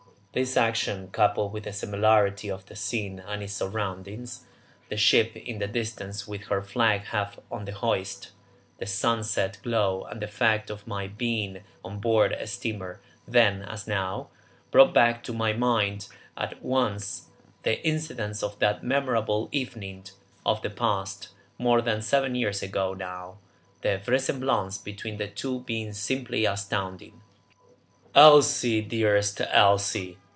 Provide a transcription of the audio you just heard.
This action, coupled with the similarity of the scene and its surroundings, the ship in the distance with her flag half on the hoist, the sunset glow, and the fact of my being on board a steamer then as now, brought back to my mind at once the incidents of that memorable evening of the past, more than seven years ago now, the vraisemblance between the two being simply astounding! "Elsie, dearest Elsie!"